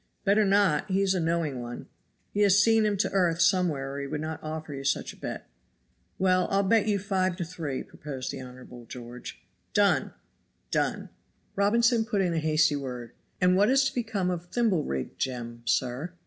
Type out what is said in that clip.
"Better not; he is a knowing one. He has seen him to earth somewhere or he would not offer you such a bet." "Well, I'll bet you five to three," proposed the Honorable George. "Done!" "Done!" Robinson put in a hasty word: "And what is to become of Thimble rig Jem, sir?"